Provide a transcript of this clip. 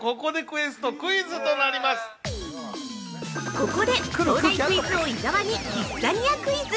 ◆ここで東大クイズ王・伊沢にキッザニアクイズ！